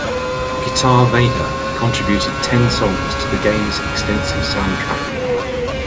Guitar Vader contributed ten songs to the game's extensive soundtrack.